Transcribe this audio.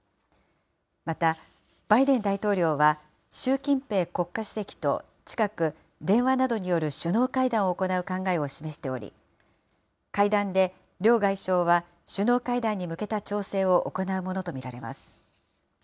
また、バイデン大統領は、習近平国家主席と近く、電話などによる首脳会談を行う考えを示しており、会談で、両外相は、首脳会談に向けた調整を行うものと見られます。